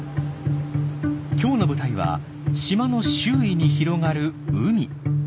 今日の舞台は島の周囲に広がる海。